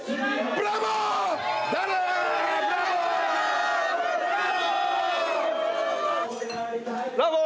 ブラボー！